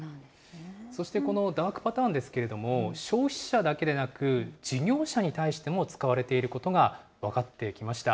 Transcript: そしてこのダークパターンですけれども、消費者だけでなく、事業者に対しても使われていることが分かってきました。